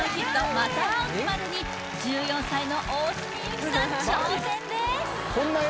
「また逢う日まで」に１４歳の大角ゆきさん挑戦ですですね